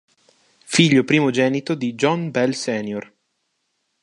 Figlio primogenito di John Bell sr.